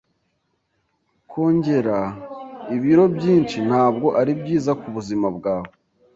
Kongera ibiro byinshi ntabwo ari byiza kubuzima bwawe.